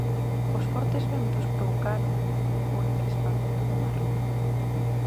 Os fortes ventos provocaron o encrespamento do mar.